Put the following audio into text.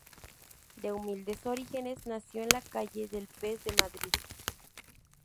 De humildes orígenes, nació en la calle del Pez de Madrid.